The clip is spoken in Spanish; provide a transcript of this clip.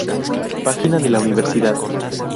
Página de la universidad